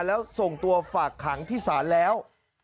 แล้วส่งตัวฝากขังที่ศาลแล้ว